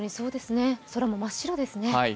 空も真っ白ですね。